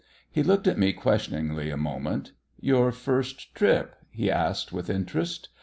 He looked at me questioningly a moment. "Your first trip?" he asked with interest.